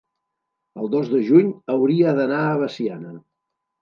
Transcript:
el dos de juny hauria d'anar a Veciana.